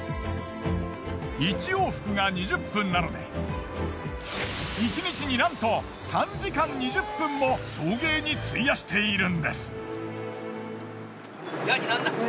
１往復が２０分なので１日になんと３時間２０分も送迎に費やしているんです。